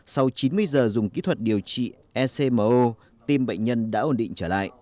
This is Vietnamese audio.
sau chín mươi giờ dùng kỹ thuật điều trị ecmo tim bệnh nhân đã ổn định trở lại